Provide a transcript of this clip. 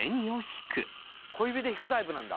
「小指で引くタイプなんだ」